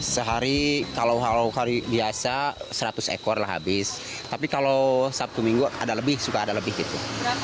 sehari kalau hari biasa seratus ekor lah habis tapi kalau sabtu minggu ada lebih suka ada lebih gitu